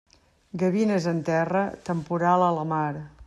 Gavines en terra, temporal a la mar.